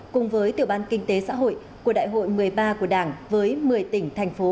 cùng với tiểu ban kinh tế xã hội của đại hội một mươi ba của đảng với một mươi tỉnh thành phố